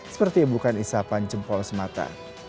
seperti bukan isapan jempol semata